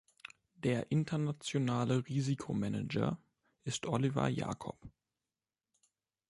Der internationale Risikomanager ist Oliver Jakob.